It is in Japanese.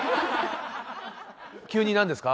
急に何ですか？